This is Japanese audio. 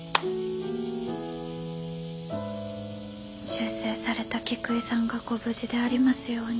出征された菊井さんがご無事でありますように。